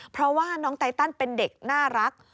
เพราะว่าน้องไตตันเป็นเด็กน่ารัก